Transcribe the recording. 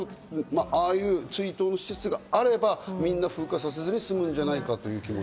ああいう追悼の施設があれば、みんな風化させずに済むんじゃないかという気持ち。